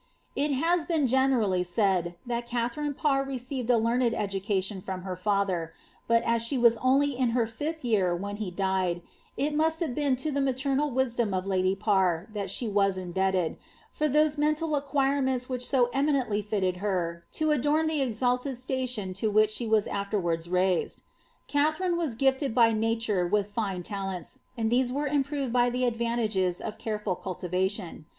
It has been generally said, that Katharine Parr received a leaned education from her father ; but as she was only in her fifth year when he died, it must have been to the maternal wisdom of lady Parr that she was indebted, for those mental acquirements which so eminently fitted her to adorn the exalted station to which she was afterwards raised. Katharine was gifted by nature with fine talents, and these were im proved by the advantages of careful cultivation.